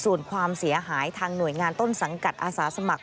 ส่วนความเสียหายทางหน่วยงานต้นสังกัดอาสาสมัคร